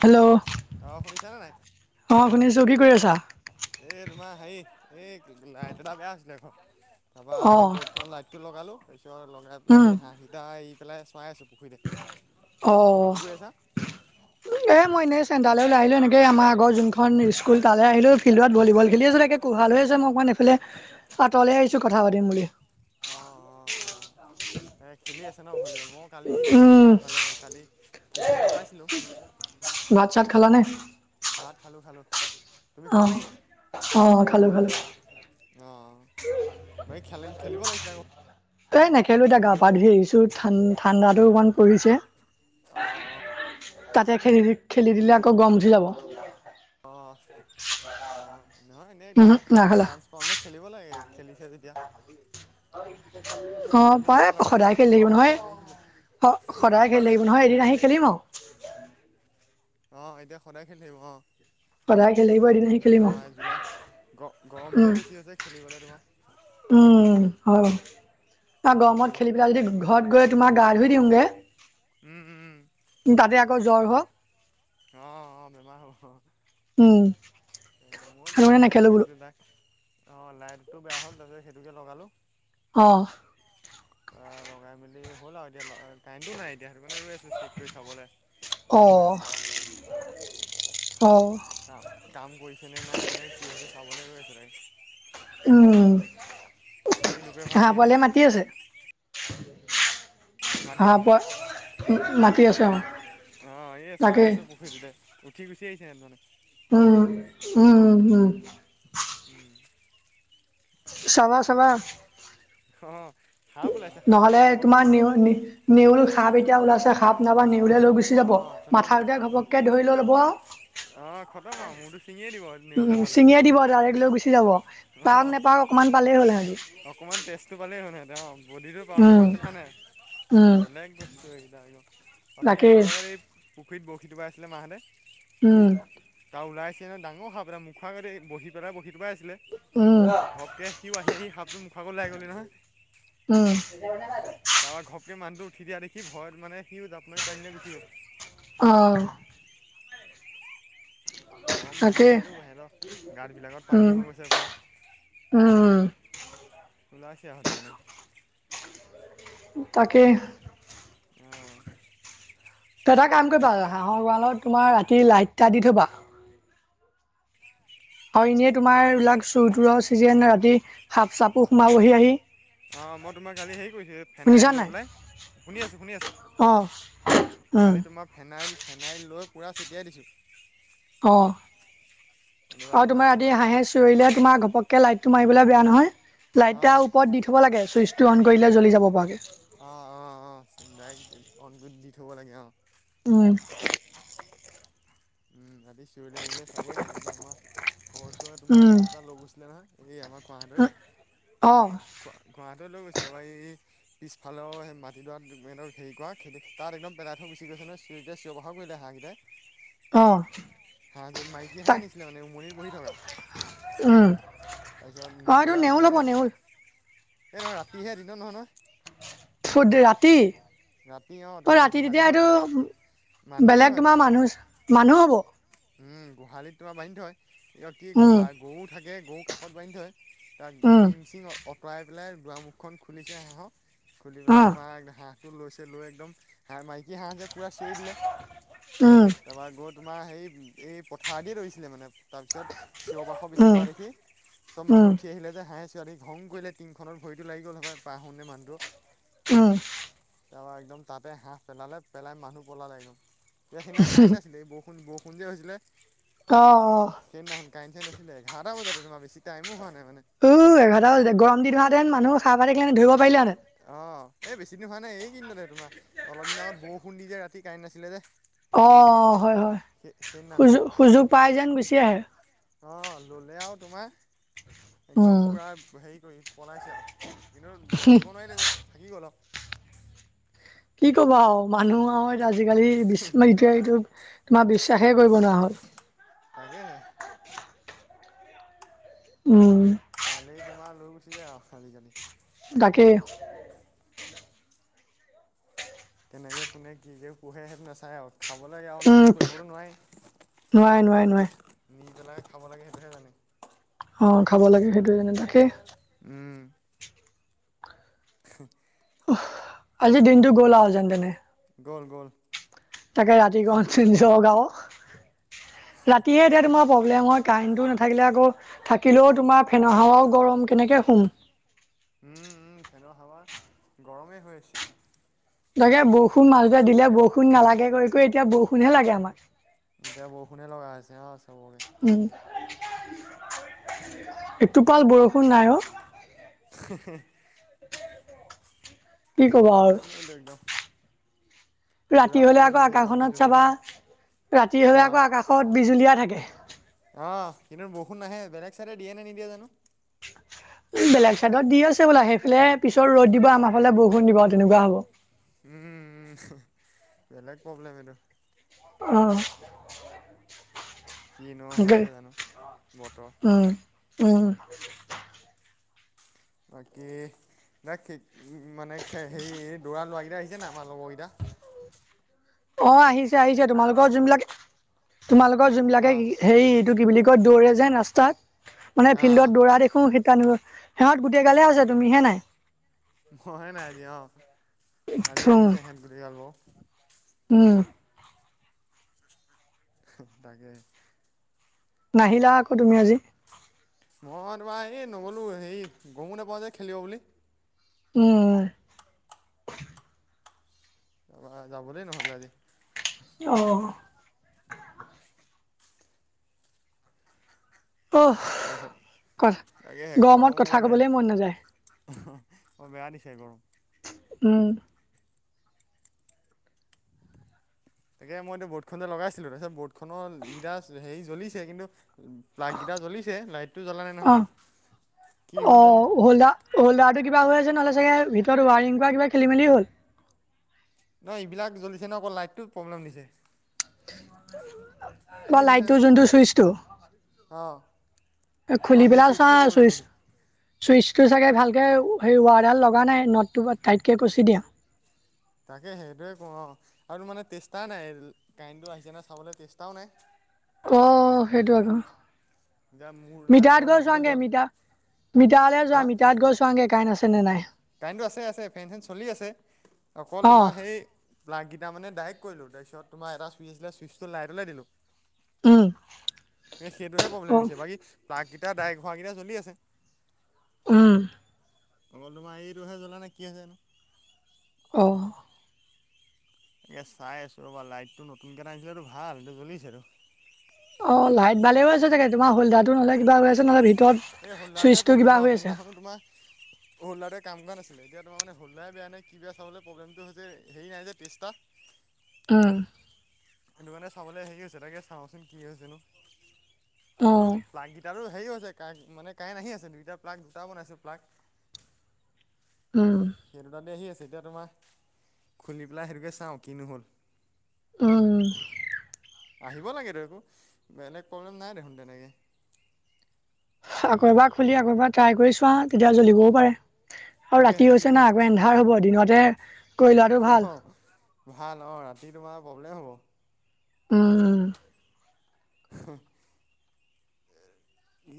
Hello অ শুনিছানে অ শুনিছো কি কৰি আছা। এ তোমাৰ হেই এই বেয়া হৈছিলে আক। তাপা অ সেই বৰ্ড খনৰ লাইটটো লগালো তাপিছত লগাই পেলাই উম এই হাঁহকেইটা এৰি পেলাই চায়াই আছো। অ পুখুৰীতে তুমি কি কৰি আছা। এ মই এনেই চেন্টাৰলে ওলাই আহিলো এনেকে আমাৰ আগৰ যোনখন স্কুল তালে আহিলো ফিল্ডত ভলীবল খেলি আছো তাকে কো ভালে হৈছে মোক মানে এইফালে আতলে আহিছোঁ কথা পাতিম বুলি। অ অ। এ খেলি আছে ন ভলীবল। মই কালি গৈছিলোঁ ক উম সেইফালে কালি খেল থকা পাইছিলোঁ। চাহ খালা নাই। ভাত খালোঁ খালোঁ। তুমি অ খালা নেকি? অ খালোঁ খালোঁ। অ বাকী খেলন খেলিব লাগিছিলে আকৌ। এই নেখেলো এতিয়া গা ভলীবল পা ধুই আহিছো ঠান ঠাণ্ডাতো অকণমান পৰিছে। অ তাতে খেলি খেলি দিলে আকৌ গম উঠি যাব। অ অ। নহয় এনেই একদম উহো নাখালা চাঞ্চ পাওঁতে খেলিব লাগে খেলিছে যেতিয়া। অ কালি পায় আমাৰ লগৰকেইটাও সদায় খেলি আছিলে বাৰু থাকিব নহয়। থকা দেখিছিলোঁ অ সদায় খেলি থাকিব নহয় এদিন আহি খেলিম আও। অ এতিয়া সদায় খেলি থাকিব অ। সদায় খেলি থাকিব এদিন আহি খেলিম আ তোমাৰ জুলাই গ গৰমটোহে বেছি হৈছে খেলিবলে তোমাৰ। উম হয়। ন গৰমত গৰমটোত খেলি তুমি পেলাই যদি খেলিবই ঘৰত নোৱাৰা গৈ তোমাক গা ধুই দিওঁঙ গে। উম উম তাতে আকৌ জ্বৰ হওক। অ অ বেমাৰ হ'ব। উম মই সেইটো তোমাৰ কাৰণে সেয়াই নেখেলো বোলো কৰিছিলো তাক। অ লাইটটো বেয়া হ'ল তাৰপিছত সেইটোকে লগালো। অহ। অ লগাই মেলি হ'ল আও এতিয়া কাৰেনটোও নাই সেটোকাৰণে ৰৈ আছো চেক কৰি চাবলে। অঁ অঁ। কাম কাম কৰিছে নে নাই নে কি হৈছে চাবলে ৰৈ আছে তাইক। উম বাকী দুপৰীয়া ভাত হাঁহ কিহে খালা পোৱালীয়ে মাতি আছে। মাটি হাহবোৱা উ মাতি আছে উ অ এ চাই আছো পুখুৰীটোতে উঠি গুচি আহিছে হিহত মানে। উম উম উ উম। উম। চাবা তাকে চাবা। অ সাপ ওলাইছে সাপ এই নহ'লে অলপ আগত তোমাৰ নেউ নেউল সাপ এতিয়া ওলাইছে সাপ নাবা। নিউলে লৈ গুচি অ যাব মাথাটোতে অথনি ঘপককে ধৰি লৈ ল'ব আও অ', খতম আৰু মোৰতো উম ছিঙিয়ে দিব ডাইৰেক্ট লৈ গুচি যাব পাওক অ', নেপাওক। অকমান পালেই হ'ল অকণমান হিহতি [unintelligible] বডিটো পাও নাপাও কথা নাই উম বেলেগ বস্তু এইকেইটা এনেও অথনি তাকেই অলপ আগতে এই পুখুৰীত বৰশীটোপাই আছিলে মাহঁতে, উম! তাৰ ওলাই আহিছিলে ডাঙৰ সাপ এটা মুখ আগদি বহি পেলাই বৰশী টোপাই আছ উম! এ সিও আহি আহি সাপটো মুখ আগত ওলাই গলহি নহয়। উম! তাৱাৰ ঘপকে মানুহটো উঠি দিয়া দেখি ভয়ত মানে সিও জাপ মাৰি পানীলে গুচি গ'ল। অ গৰম তাকে বাঢ়িছেতো হেতৰ গাঁতবিলাকত পানী উম হৈ গৈছে পুৰা। উম উলাইছে আৰু সেইটো কাৰণে। তাকে অ তই এটা কাম কৰিবা হাঁহৰ গঁড়ালত তোমাৰ ৰাতি লাইট এটা দি থবা। হয় এনেই তোমাৰ এইবিলাক চোৰ তুৰৰ চিজন ৰাতি সাপ চাপো সোমাবহি আহি। অ মই তোমাৰ কালি হেৰি কৰিছো ফেনাই শুনিছা লৈ নাই পেলাই, শুনি আছো, শুনি আছো। অ উম কালি তোমাৰ ফেনাইল ফেনাইল লৈ পুৰা ছটিয়াই দিছো। অ এনেকুৱা আৰু তোমাৰ আদি সোমাই হাঁহে চুৰিলে তোমাৰ ঘপকে লাইট- টো মাৰিবলৈ বেয়া নহয়, লাইট এটা অঁ ওপৰত দি থব লাগে চুইচ টো অন কৰিলে জ্বলি যাব পৰাকে আহ অ অ ডাইৰেক্টে অন কৰি দি থব লাগে অ। উহ উম ৰাতি চিঞৰিলে মিলিলে চাবই লাগে না, আমাৰ ঘৰ ওচৰৰ তোমাৰ উম, হাঁহ এটা লৈ গৈছিলে নহয়। এই আমাৰ খুৱাহেতই, অঁ, খুৱাহেতই লৈ গৈছিলে তাপা এই পিছফালৰ সেই মাটিডৰা হেৰি কৰা খতি তাত একদম পেলাই থৈ গুচি গৈছে নহয় চিঞৰ বাখৰ কৰি হাঁহ কেইটাই। অঁ, হাঁহজনী মাইকী হাঁহ তাই নিছিলে মানে উমনি বহি থকা। উম, তাৰপিছত নি অঁ এইটো পেলাই নেউল মানে এ হ'ব নেউল নহয় ৰাতিহে দি- দিনত নহয় নহয়। থুত ৰাতি ৰাতি অ তোমাৰ ৰাতি গোহালি তেতিয়া এইটো ঘত। বেলেগ তোমাৰ মানুহ মানুহ হ'ব। গোহালিত তোমা বান্ধি থয় এইতি কি উম, গোহা গৰু থাকে গৰু কাষত বান্ধি থয়। তাৰ উম, টিং চিং অঁতৰাই পেলাই দুৱাৰ মুখখন খুলিছে হাঁহৰ। খুলি পেলাই অঁ, তোমাৰ হাঁহটো লৈছে লৈ একদম, হাঁহ মাৰি কি হাঁহে পুৰা চিঞৰি দিলে উম, তাৰপৰা গৈ তোমাৰ হেৰি এই পথাৰ দিয়ে ধৰিছিলে মানে। তাৰপিছত চিঞৰ বাখৰ উম, বেছিকোৱা দেখি চব উম, মানুহ উঠি আহিলে যে হাঁহে সি ঘং কৰিলে টিংখনত ভৰিটো লাগি গল সপাই পাৰ হওঁতে মানুহটোৱ উম তাৰপৰা একদম তাতে হাঁহ পেলালে পেলাই মানুহ পলালে একদম সেই দিনা কাৰেন্ট নাছিলে এই বৰষুণ বৰষ- ষুণ যে হৈছিলে। অহ অহ কাৰেন্ট চাৰেন্ট নাছিলে এঘাৰটা বজাত বেছি টাইমো হোৱা নাই। মানে। উ এঘাৰটা বাজিলে গৰম দিন হোৱা হেতেন মানুহ হাৰ পাই থাকিলে হেতেন ধৰিব পাৰিলে হেতেন। অ এই বেছি দিন হোৱা নাই এই কি দিনতে তোমাৰ অলপ দিনৰ আগত বৰষুণ দি যে ৰাতি কাৰেণ্ট নাছিলে যে। অ হয় হয় সেই সেইদিনাখন সুযো সুযোগ পাই যেন গুচি আহে। অ ল'লে আৰু তোমাৰ একদম উম। পূৰা হেৰি কৰি পলাইছে আও। কিন্তু নিব নোৱাৰিলে থাকি গ'ল। কি ক'বা আৰু মানুহ আৰু আজিকালি [unintelligible] এইটো তোমাৰ বিশ্বাসেই কৰিব নোৱাৰা হ'ল। তাকেহে উম পালেই তোমাৰ লৈ গুচি যায় আহ আজিকালি। তাকে তেনেকে কোনে কি যে পঢ়ে সেইটো নাচায় আও। খাবলৈ আৰু নিজে উম কৰিব টো নোৱাৰে নোৱাৰে নোৱাৰে নোৱাৰে নি পেলাই। খাব লাগে সেইটোহে জানে। অ', খাব লাগে সেইটোৱে জানে তাকেই। উম, [unintelligible] আজি দিনটো গ'ল আও যেন তেনে। গ'ল গ'ল। তাকে ৰাতি [unintelligible] ৰাতিয়ে এতিয়া তোমাৰ প্ৰব্লেম হয় কাৰেণ্টটো নাথাকিলে আকৌ, থাকিলেও তোমাৰ ফেনৰ হাৱাও গৰম কেনেকে শুম? উম, উম, ফেনৰ হাৱা, গৰমেই হৈ আছে। তাকে বৰষুণ মাজতে দিলে বৰষুণ নালাগে কৈ কৈ এতিয়া বৰষুণহে লাগে আমাক। এতিয়া বৰষুণে লগা হৈছে অ, চবকে উম, এটোপাল বৰষুণ নাই অ, [unintelligible] কি ক'বা আৰু। প্ৰব্লেম কিন্তু একদম। পুৰা ৰাতি হলে প্ৰব্লেম আকৌ দিছে বৰষুণ আকাশখনত চৰষুণ চাবা, নাই ৰাতি অ হলে আকৌ আকাশত বিজুলীয়া থাকে। অ', কিন্তু বৰষুণ নাহে বেলেগ চাইডে দিয়ে নে নিদিয়ে জানো। বেলেগ চাইডত দি আছে বোলা সেইফালে পিছৰ ৰ'দ দিব আমাৰ ফালে বৰষুণ দিব তেনেকুৱা হ'ব। উম, উম, বেলেগ প্ৰব্লেম এইটো। অ', কিনো সেইটোৱে হৈছে জানো, বতৰ। উম উম, বাকী, [unintelligible] দৌৰা [unintelligible] এতিয়া আহিছে না আমাৰ লগৰকেইটা? অ', আহিছে আহিছে তোমালোকৰ যোনবিলাক, তোমালোকৰ অ যোনবিলাকে হেৰি টো কি বুলি কয় দৌৰে যেন ৰাস্তাত মানে অ অ ফিল্ডত দৌৰা দেখো [unintelligible] [unintelligible] সিহঁত গোটেই গালে আছে তুমিহে নাই। মই নাই আজি অ, আজি উম আহিছে সিহঁত গোটেই গাল বাও। উম, হঁ, তাকে। নাহিলা আকৌ তুমি আজি। মই তোমাৰ এই নগ'লো হেৰি, গমো নোপাওঁ যে খেলিব বুলি। উম, তোমাৰ যাবলে নহ'লে আজি। অ', তাৰপিছত গৰ তাকেহে গৰমত গৰমো কথা ক'বলৈ মন নাযায়। [unintelligible] বৰ বেয়া দিছে গৰম। উম, তাকে মই এতিয়া বৰ্ডখন এ লগাইছিলোঁ তাৰপিছত বৰ্ডখনৰ এইকেইটা হেৰি জ্বলিছে কিন্তু প্লাগ কেইটা জ্বলিছে লাইটটো জ্বলা নাই নহয়। অ কি হ'ল জানো অ', হোল্ডাৰ-হোল্ডাৰ কিবা হৈ আছে নহ'লে চাগে, ভিতৰত ৱাৰিং কৰা কিবা খেলি মেলি হ'ল। নহয় এইবিলাক জ্বলিছে ন অকৌ লাইটটো প্ৰব্লেম দিছে। ব কি হৈছে লাইটো জানো যোনটো চুইচটো অঁ অঁ খুলি সেই পেলাই চা, চুইচটো প্ৰব্লেম চুইচ। দিছে চুইচটো চাগে ভালকে সেই ৱাৰডাল লগা নাই নদটো এবাৰ টাইটকে কুচি দিয়া। তাকে সেইটোৱে ককৰোঁ আও আৰু মানে টেষ্টাৰ নাই কাৰেণ্টটো আহিছে নে নাই চাবলে টেষ্টাও নাই। অ', সেইটো আৰু। এতিয়া মোৰ মিটাৰত লাইটৰ গৈ মাথাটো চোৱাগে যোৱা মিটাৰ, মিটাৰেলে যোৱা হা মিটাৰত গৈ চোৱাগে কাৰে কাৰেণ্ট আছে নে নাই? কাৰেণ্টটো আছে আছে ফেন চেন চলি আছে, অকল অ তোমাৰ সেই লাগি তাৰমানে ডাইয়েক্ট কৰিলোঁ। তাৰপিছত তোমাৰ এটা ছুইচ আছিলে, ছুইচটো লাইটলে দিলোঁ। উম এ সেইটোহে অ প্ৰব্লেম দিছে। বাকী বা তিয়া ডাইৰেক্ট হোৱা কেটা জ্বলি আছে। উম। অকল তোমাৰ এইটোহে জ্বলা নাই। কি আছেনো? অ'। এ চাই আছোঁ ৰ'বা। লাইটটো নতুনকে এটা আনিছিলো ইটো ভাল। এইটো জ্বলিছেটো। অ' লাইট ভালে হৈছে ছাগে, তোমাৰ হোলদাৰটো নহলে কিবা হৈ আছে নহ'লে ভিতৰত এই হোলদাৰটোহে চুইচটো কিবা প্ৰব্লেম অ'। হৈ আছে সেইদিনাখনো তোমাৰ হোলদাৰটোৱে কাম কৰা নাছি লে। এতিয়া তোমাৰ মানে হলদাৰে বেয়া নে কি বেয়া চাবলে প্ৰবেমটো হৈছে, হেৰি নাই যে টেষ্টাৰ। উম। সেইটো কাৰণে চাবলে হেৰি হৈছে। তাকে চাওঁচোন কি হৈছেনো? অ বোলো প্লাগকিটাটো হেৰি হৈছে, কাৰেন- মানে কাৰেন আহি আছে। দুইটা প্লাগ- দুটা বনাইছোঁ প্লাগ। উম সেই দুটাতে আহি আছে। এতিয়া তোমাৰ খুলি পেলাই সেইটোকে চাওঁ, কিনো হ'ল। উম। আহিব লাগেতো, একো বেলেগ প্ৰব্লেম নাই দেখোন তেনেকে। আকৌ এবাৰ খুলি আকৌ এবাৰ ট্ৰাই কৰি চোৱা, তেতিয়া জ্বলিবও পাৰে। আৰু তাকেহে ৰাতি কিনো হৈছে না, আকৌ এন্ধাৰ হব। দিনতে কৰি লোৱাটো অ' ভাল হঁ। ভাল অ' ৰাতি তোমাৰ প্ৰব্লেম হ'ব। উম। হঁ।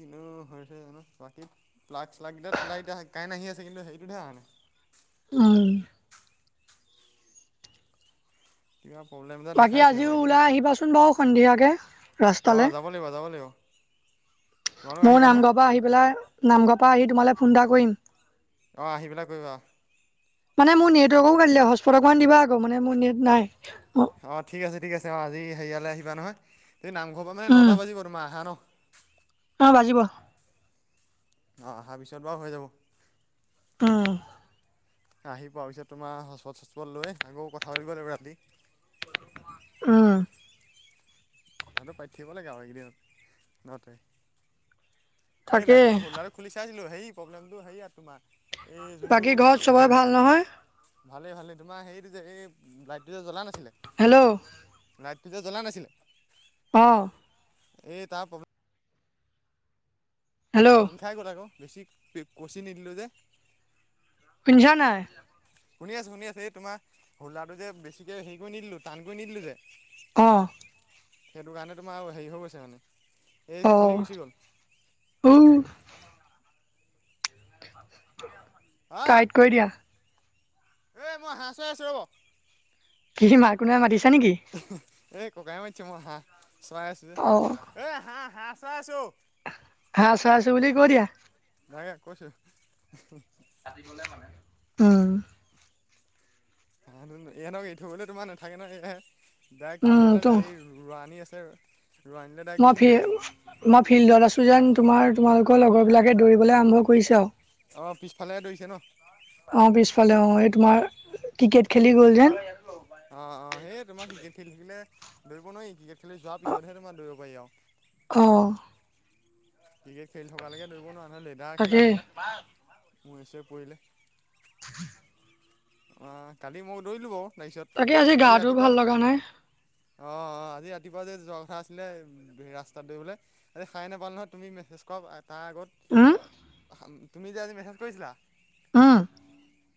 ইনো অ' হৈছে জানো। বাকী প্লাগ - শ্লাক কেইতাত লাইট আ- কাৰেন আহি আছে কিন্তু, হেৰিটোতহে অহা নাই। উম। কিবা প্ৰব্লেম এটা বাকী দেখাইছে আজিও হপাই দেই ওলাই আহিবাচোন বাও সন্ধিয়াকে, ৰাস্তালে। অ' যাব লাগিব যাব লাগিব তোমালোক মোৰ আহিবা নহয় নামঘৰৰ পা আহি পেলাই, নামঘৰৰ পা আহি তোমালে ফোন এটা কৰিম। অ' আহি পেলাই কৰিবা। মানে মো নেটৱৰ্কো কাটিলে হস্পত অকন দিবা আকৌ মো অঁ ঠিক আছে ঠিক আছে অ আজি হেৰিয়ালে আহিবা নহয় তুমি নামঘৰ পা মানে উম নটা বাজিব তোমাৰ আহা ন। [unintelligible] অ' বাজিব। অ' অহাৰ পিছত বাও হৈ যাব। উম। আহি পোৱাৰ পিছত তোমাৰ হটস্পট - ছছস্পট‌ লৈ আকৌ কথা পাতিব লাগিব ৰাতি। উম। কথাটো পাতি থাকিব লাগে আও এইকেইদিন- নতে। এই তাকেই লাইটটো হলদাৰটো খুলি চাইছিলোঁ। সেই প্ৰব্লেমটো হেৰি ইয়াত তোমাৰ এই যোনটো বাকী ঘৰত চবে হ'ল্ডাৰ ভাল নহয়? ভালেই ভালেই তোমাৰ হেৰিটোযে এই লাইটটো যে জ্বলা নাছিলে, হেল্ল' লাইটটো যে জ্বলা নাছিলে অ'। এই তাৰ প্ৰ হেল্ল' খাই গ'ল আকৌ। বেছি কচি নিদিলোঁ যে। শুনিছা নাই। শুনি আছো-শুনি আছো, এই তোমাৰ হোলদাৰটো যে বেছিকে হেৰি কৰি নিদিলো টান কৰি নিদিলো যে অ'। সেইটো কাৰণে তোমাৰ হেৰি হৈ গৈছে মানে, এই খুলি গুচি গ'ল। ও। আহ টাইট কৰি দিয়া। এই মই হাঁহ চৰায় আছো ৰ'ব। [unintelligible] কোনোবাই মাতিছা নেকি। এই ককাই মাতিছে মই হাঁহ চৱাই আছো যে, অ এ হাঁহ-হাঁহ চৰাই আছো। হাঁহ চৰাইছো বুলি কৈ দিয়া। [unintelligible] কৈছোঁ। উম। ইহঁতক এৰি থৈ গ'লে তোমাৰ নাথাকে নহয়, এ উম ডাইৰেক্ট তো [unintelligible] ৰোৱণী আছে [unintelligible] ডাইৰেক্ট মই গুচি ফিল যায়গৈ মই ফিল্ডত আছো যেন, তোমাৰ তোমালোক [unintelligible] লগৰবিলাকে দৌৰিবলে আৰম্ভ কৰিছে আৰু। অ', পিছফালেহে দৌৰিছে ন। অ পিছফালে অ এই তোমাৰ ক্ৰিকেট খেলি গ'ল যেন। অ', অ', এই তোমাৰ ক্ৰিকেট খেলি থাকিলে দৌৰিব নোৱাৰি, ক্ৰিকেট খেলি যোৱাৰ পিছতহে তোমাৰ দৌৰিব পাৰি আৰু। [unintelligible] অ'। ক্ৰিকেট খেলি থকালৈকে দৌৰিব নোৱাৰি নহয়, লেডাৰ খেলা তাকে থাকে, মোৰে ছোৰে পৰিলে। [inaudible] অ', কালি ময়ো দৌৰিলো বাৰু। তাকে তাৰপিছত আজি গাটো ৰাতিপুৱা, ভাল অ', লগা নাই অ', আ আজি ৰাতিপুৱা যে যোৱা কথা আছিলে, ৰাস্তাত দৌৰিবলে, আজি সাৰে নাপালো নহয়, তুমি মেছেজ কৰা তাৰ আগত, উম তুমি যে আজি মেছেজ কৰিছিলা। উম।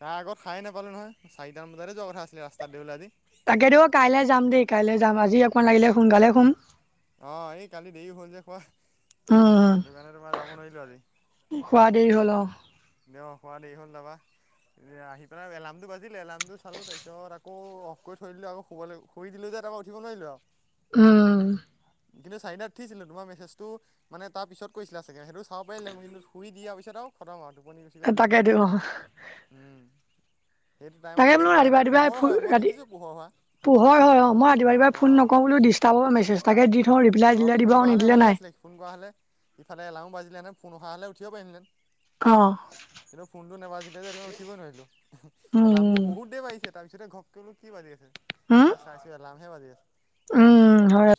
তাৰ আগত সাৰে নাপালোঁ নহয়, চাৰিটামান বজাতে যোৱা কথা আছিলে ৰাস্তাত দৌৰিবলে আজি। তাকে দেই কাইলে যাম দেই- কাইলে যাম, আজি অকমান লাগিলে সোনকালে শুম। অ', এই কালি দেৰি হ'ল যে শুৱা। উম, আজি কি শুৱা দেৰি হ'ল অ'। [unintelligible] শুৱা দেৰি হ'ল তাৰপা। এ আহি পেলাই এলাৰ্মটো বাজিলে, এলাৰ্মটো চালো, তাৰপিছত আকৌ অফ কৰি থৈ দিলো, আকৌ শুব শুই দিলো যে তাৰপা উঠিব নোৱাৰিলো আৰু। উম। কিন্তু চাৰিটাত উঠিছিলো, তোমাৰ মেছেজটো মানে তাৰ পিছত কৰিছিলা চাগে, সেইটো চাব পাৰিলে মই কিন্তু শুই দিয়া টাও খতম হয়, টোপনি গুচি গ'লো, তাকে দিও উম। টাইমত তাকে বোলো উঠি দিয়া ৰাতিপুৱা হ'লে পোহৰ ৰাতিপুৱাই হয়, মই ৰাতি দেখিছোঁ পোহৰ হোৱা। পোহৰ হয় অ', মই ৰাতিপুৱা ৰাতিপুৱাই ফোন নকৰো বোলো ডিষ্টাৰ্ব হ'ব মেছেজ এটাকে দি থওঁ ৰিপ্লাই অ', দিলে দিব ফোন আৰু কৰা হ'লে নিদিলে ভালে নাই। আছিলে, ফোন কৰা হ'লে, ইফালে এলাৰ্ম বাজিলেহেতেন, ফোন অহা হ'লে উঠিব পাৰিলোহেঁতেন। অ। [inaudible] কিন্তু ফোনটো নাবাজিলে যে ৰাতিপুৱা উঠিবই নোৱাৰিলো হয়, উম উম এলাৰ্মটো বহুত দেৰিত বাজিছে তাৰপিছতে ঘপকে বোলো কি বাজি আছে, উম তাৰপা চাইছো এলাৰ্মহে বাজি আছে, এলাৰ্মটো উম অফ কৰি হয়।